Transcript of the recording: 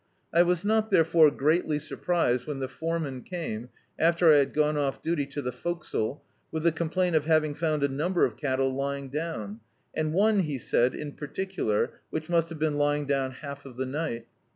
I was not therefore greatly surprised when the foreman came, after I had gone off duty, to the forecastle, with the onn plaint of having found a number of cattle lying down, and one, he said, in particular, which must have been lying down half of the night.